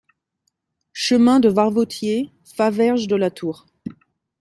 Chemin de Varvotier, Faverges-de-la-Tour